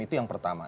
itu yang pertama